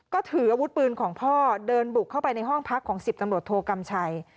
ก็ถืออาวุธปืนของพ่อเดินบุกเข้าไปในห้องพักของ๑๐ตำรวจโทกำชัย